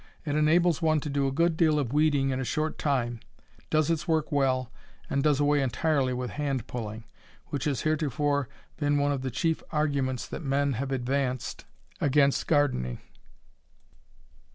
It enables one to do a good deal of weeding in a short time, does its work well, and does away entirely with hand pulling, which has heretofore been one of the chief arguments that men have advanced against gardening.